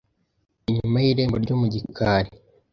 inyuma y’irembo ryo mu gikari,